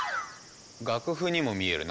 楽譜にも見えるな。